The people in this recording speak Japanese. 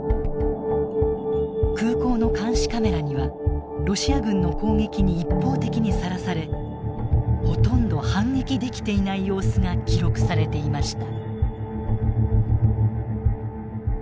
空港の監視カメラにはロシア軍の攻撃に一方的にさらされほとんど反撃できていない様子が記録されていました。